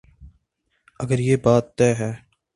اگر یہ بات طے ہے۔